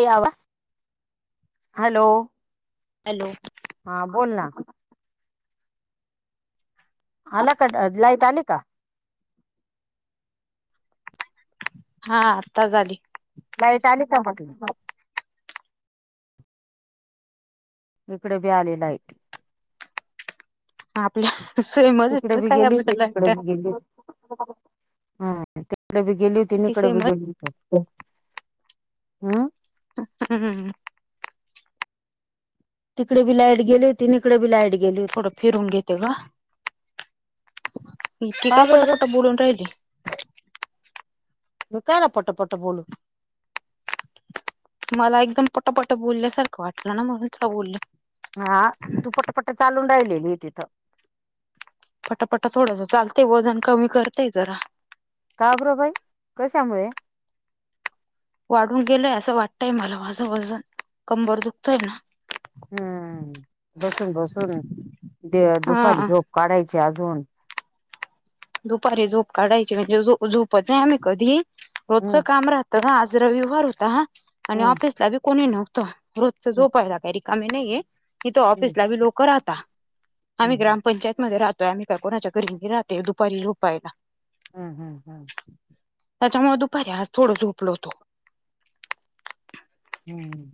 यावा hello hello हा बोल ना आला का लाईट आली का. हा आत्ता झाली. लाईट आली का म्हटलं इकडे बी आली लाईट आपल्या सेमच तिकडे येत बी काय गेली आपल्याला तिकडे वाटत बी गेली हा तिकडे बी गेली तिन ती इकडे ब सेमच गेली हम हम्म तिकडे बी लाईट गेली होती त इिकडे बी लाईट गेली होती थोडं फिरून घेते ग इतकी का बरं ग पटापट बोलून राहिली म करा पट पट बोलू मला एकदम पटापट बोलल्यासारखं वाटलं ना म्हणून तुला बोलले येतेथ पटापटा थोडास चालत वजन कमी करतेय जरा का बर बाई कश्यामुळे वाढून गेलय असं वाटतंय मला माझं वजन कंबर दुखतोय ना हम्म बसून बसून दुपारी हा झोप काढायची अजून दुपारी झोप काढायची म्हणजे झोपत नाही आम्ही कधी रोजचं हम्म काम राहत तर आज रविवार होता हा आणि हम्म ऑफिसला बी कोणी न त रोजच हम्म झोपायला काय र कामे नाही ये तिथ हम्म ऑफिसलाी लोक राहता आम्ही हम्म ग्रामपंचायत मध्ये राहो म्ही का कोणाच्या घरी राहते पररूप आहेला हम्म हम्म हम्म त्याच्यामुळे दुपारी आज थोड झोपलो होतो हम्म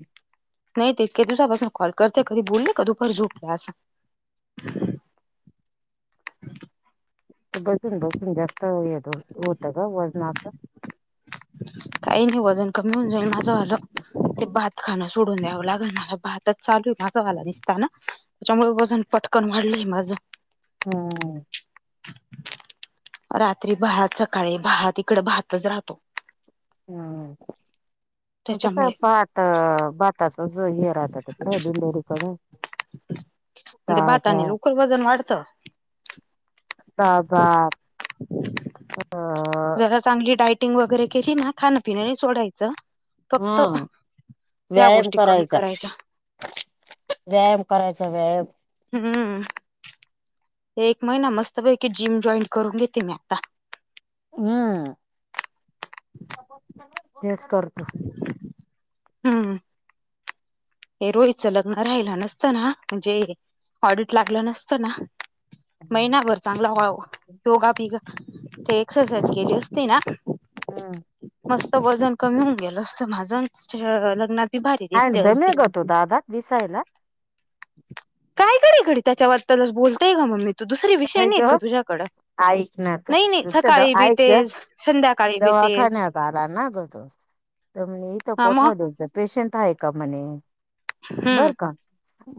नाही देखते तू सा बस म कॉल करते कधी बोलली का कधी झोपलो अस ते बसून बसून जास्त य होतं ग वजन असत काही नाही वजन कमी होऊन जाईल माझं आलं ते भात खाणं सोडून द्यावं लागेल मला भातच चालू आहे माझा वाला दिसता ना त्याच्यामुळे वजन पटकन वाढलंय माझं हा रात्री भात सकाळी भात ईकड भातच राहतो हम् असं काय त्याच्यामुळे भात भात सस राहत तिकडे दिंडेरीकडे का ते भाताने लवकर वजन वाढतं का [unintelligible] टिंग वगैरे केली ना, खाणपिण नाई सोडायचं. हा फक्त या व्यायाम गोष्टी कमी करायचाच, करायच्या व्यायाम करायचा, व्यायाम. हम्म एक महिना मस्तपैकी, जिम जॉईन करून घेती मी आता. हम्. हेच करतो. हुं. हू. हे रोईचं लग्न राहिलं नसतं, ना म्हणजे ऑडिट लागलं नसत ना. हम्म महिनाभर चांगला वाव योगा बिगा. ते एक्सरसाइज केली असती ना मस् त वजन कमी होऊन गेल असत. माझ हे लग्नात. मी भारी दिसले हँडसम आहे असते. ग तो दादा दिसायला कायईकडेइकडे त्याच्याबद्दलच बोलतय का मग मी [unintelligible] आहे नाही नाही सकाळी बी तेच संध्याकाळी बी तेच हा मग का म्हणेहाय हम्म बर का.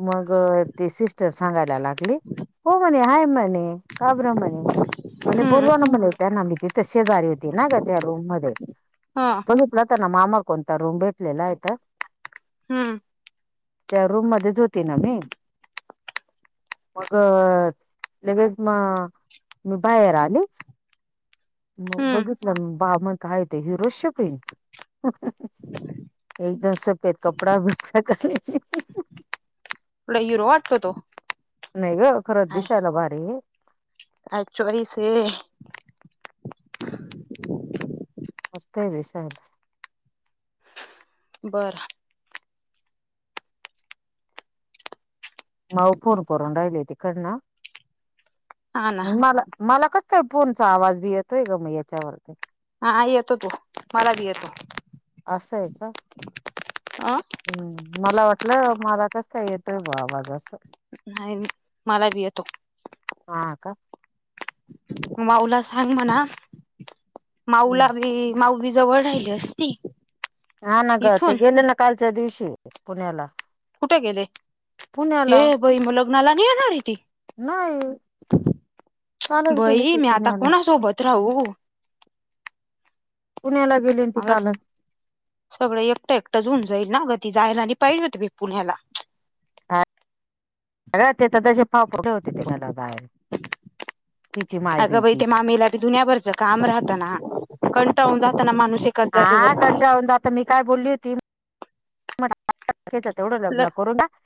मग ती सिस्टर सांगायला लागली हो म्हणे हाय म हम्म हा [unintelligible] कोणता रूम भेटलेला इथं हम्म. त्या रूम मध्येच होती ना मी मग.... लेगेच म मी बाहेर आली. मग हम्म बघुच ना बामण काय ते हिरो शेफ आहे एकदम सपेद कपडा बिपडा काय लय हिरो वाटतो तो नाही गं खरं काय दिसायला भारी हे. काय चॉइस हे. मस्त आहे विशाल. बरं. माऊ फोन करून राहिले तिकडनं हा ना माला माला का कां फोनचा आवाज बी येतोय गं मग याच्यावरती हां येतो तो मला बी येतो. असंय का? अ हम्म मला वाटलं मला कसं काय ये त आवाज असं. नाही मी मला बी येतो. हा का माऊला सांग म्हणा हम्म. माऊला बी, माऊ बी जवळ राहिली असती. हा ना गं, ते इथून गेलं ना कालच्या दिवशी- पुण्यालाच. कुठे गेले? हे बई मग लग्नाला नाही येणार आहे ती? नाही कालच गेले बई ते मी आता पुण्याला कोणा सोबत राहू? पुण्याला गेले न ती मला स कालच सगळं एकटं एकटं जुंन- जाईल ना ग ती, जायला नाही पायजे होती बाई पुण्याला. हा [unintelligible] ते तर तसे फा [inaudible] ठेवते पुण्याला जायला, तिची माय अगं बाई भीती- ते मामीला कंटाळुन जात ना माणुस- आ. कंटाळुन जातं मी काय बोलली होती? मला [unintelligible] तीच तेवढं ल लग्न करुन टाक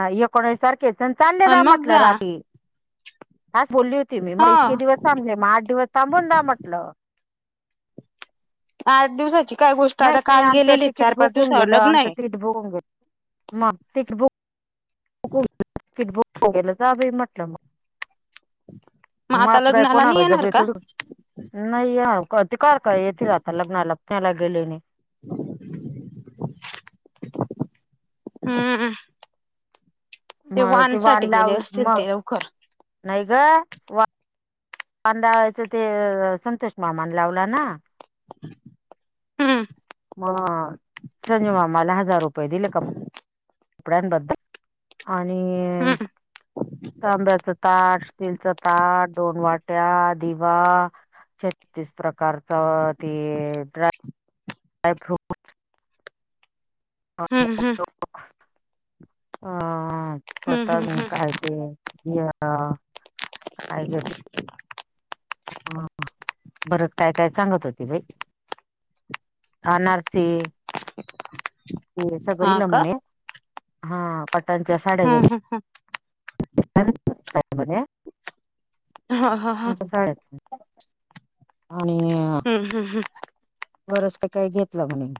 आ एकोणाईस तारखे प चालले दा अन मग म्हटलं जा रात्री, आस बोलली होती मी. मग हा इतके दिवस थांबले मग आठ दिवस थांबून जा म्हटलं. आठ दिवसाची- काय गोष्ट नाही आता नाही काल आमचं गेलेले तिकीट चार पाच बुक होऊन दिवसावर गेलंय. लग्न आमचं आहे तिकीट बुक होऊन गेलं, मग तिकीट बुक- हो ति [unintelligible] कडं ला जा बाई म्हटलं मग. मग आता मात्र लग्नाला नाही कोणाला येणार का भाो नाही तेिक का यथ राहता लग्ना लग [unintelligible] [unintelligible] हम् मग ते वाण लाव मग. ते लवकर नाही ग- कांदा व्हायचं ते संतोष मामान लावला ना? हम्म. मग संजय मामाला हजार रुपये दिले [unintelligible] आणि हम्म -तांब्याचं ताट- तिळचं ताट, दोन वाट्या, दिवा छत्तीस प्रकारचा ते- ड्राय फ्रुट. हम्म हम्. ह. हम्म हम्म परत हम्म अजून हम्म कायते? या- काय घेते बरच काय काय सांगत होती बाई अनारसे ते सगळं हा ल का म्हणे हा पटांच्या साड्या हम्म हम्म म्हणे हा हा हा. मस्त [unintelligible] आणि हम्म हम्म बरच का काही घेतलं म्हणे.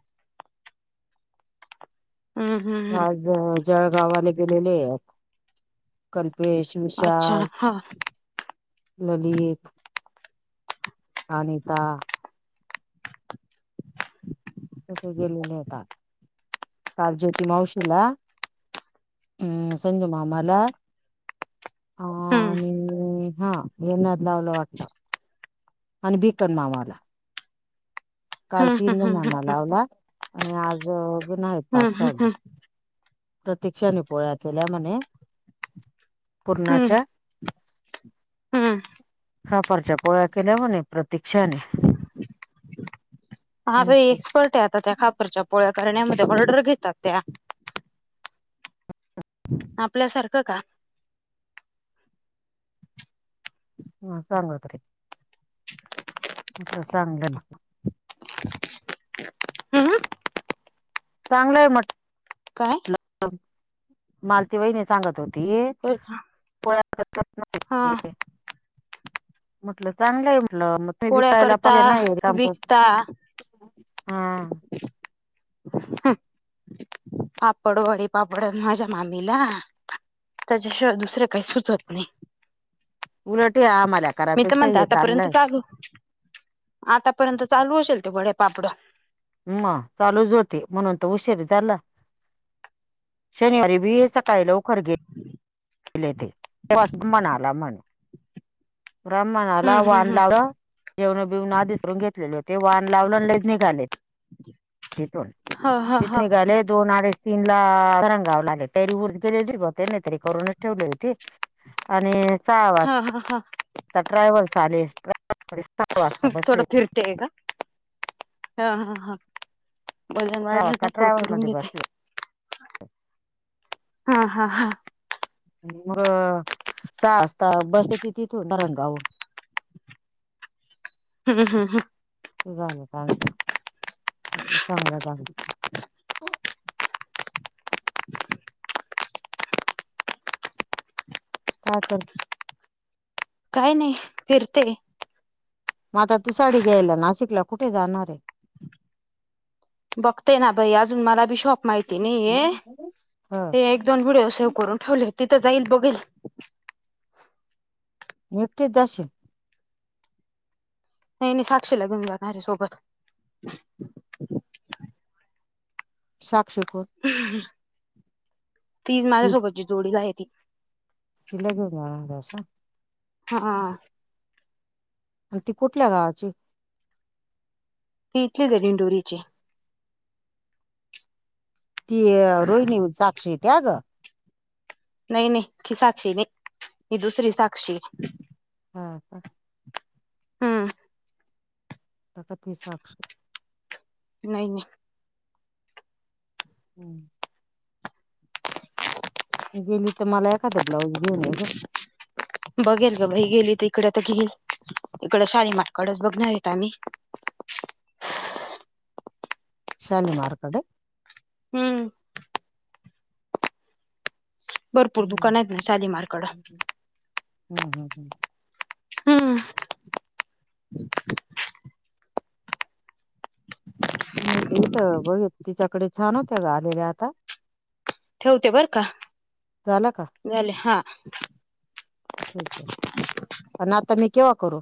हम्म हम्म हम्म हम्म आज जवळ जळ गावाले गेलेले. वेश अच्छा विशाल. हा ललित- अनीता- तथे गेलेले होतात काल ज्योती मावशीला अम्म संजू मामाला हम्म आणि हा येण्यात लावलं वाटलं आणि बिकन मामाला काल हम्म हम्म तीन हम्म जणांना लावला आणि आज हम्म हम्म हम्म [unintelligible] प्रतीक्षा नि पोळ्या केल्या म्हणे हम्म पुरणाच्या. हम्म खापरच्या पोळया केल्या मणे न प्रतीक्षाने हा एक्सपर्ट आहे आता त्या खापरच्या पोळ्यात. करण्यामध्ये ऑर्डर घेतात त्या. आपल्यासारख का. [unintelligible] लं चांगलं ना हम्म चांगलंय आहे काय म्हटल मालती वहिने सांगत होती पोळ्या करत हा नाही म्हटलं चांगलं आहे. लं मग तु पोळ्या विकायला करता पाहिजे नाही विकता कामपासून हा. पापड वडीपापड माझ्या मामीला त्याच्याशिवाय दुसरे काही सुचत नाही. उलट आम्हाला मी तर करायातच म्हणते हे आतापर्यंत चांगलंय. चालू आतापर्यंत चालू असेल ते वडे पापडं हम्म चालूच होते, म्हणून तर उशीर झाला शनिवारी बी सकाळी लवकर गेले. दिले ते त म्हणाला म्हण. [inaudible] हम्म हम्म वान हम्म लावलं जेवण बिवण आधीसरून घेतलेले होते वान लावलं लले निघाले तिथून ह ह तिथ ह निघाले दोन आडीच. तीन ला रंगावं लागल तरी उर गेले ब नाही तरी करूनच ठेवली होती आणि सहा वाजता हा हा हा आता ट्रॅव्हल्स चालेल थोड फिरतेय का? हा हा हा वजन सहा वाढलं वाजता का थोडं ट्रॅव्हल्स फिरून मध्ये घेते. बसले हा हा हा मग स असता बस तित उभारून काऊन हा हा हा झालं त्यांच, आपल चांगलं झाल हो काय कर काय नाही फिरतंय मग आता तु साडी घ्यायला नाशिकला कुठे जाणार आहे बघतेय ना माहिती नाहीय ह ते एक दोन व्हिडिओ सेव्ह करून ठेवले ति तिथं जाईल बघील मग् एकटीचं जाशिल नाही नाही साक्षीला घेऊन जाणार आहे सोबतं साक्षी को [unintelligible] ती माझ्यासोबतची जोडीला आहे [unintelligible] तिला घेऊन जाणार आहेस होय हा आणि ती कुठल्या गावाची ती इथलीच आहे डिंडोरीचे ती रोहिणी साक्षी इति या गं नाही नाही ही साक्षी नाही ही दुसरी साक्षी हा हा ह् तंथा पि साक्षी नाही नाही हम्म ह् गेली तर मला एखादं ब्लाऊज घेऊन ये ग बघेल गं बाई गेली तर इकडे तर घेईल इकडं शालीमारकडच बघणार आहे का मी शालिमार कडे हम्म भरपूर हम्म दुकान आहेत ना शालीमारकडं हम्म हम् हम् हम् नाही तर इथं बघेन तिच्याकडे छान होत्या गं आलेल्या आता ठेवते बरं का झालं का झाले हा [unintelligible] ठीक आहे पण आता मी केव्हा करू